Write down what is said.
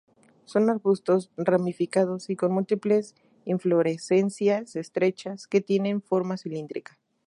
Son arbustos ramificados y con múltiples inflorescencias estrechas, que tienen forma cilíndrica.